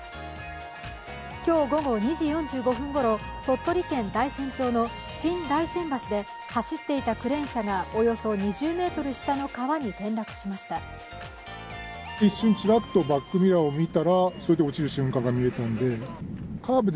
今日午後２時４５分ごろ、鳥取県大山町の新大山橋で走っていたクレーン車がおよそ２０ｍ下の川に転落しました。